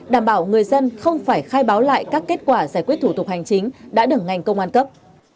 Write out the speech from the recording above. đảm bảo người dân không phải khai báo lại các kết quả giải quyết thủ tục hành chính đã được ngành công an cấp